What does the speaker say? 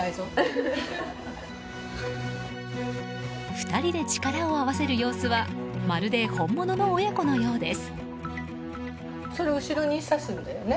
２人で力を合わせる様子はまるで本物の親子のようです。